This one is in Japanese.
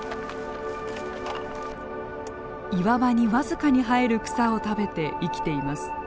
岩場に僅かに生える草を食べて生きています。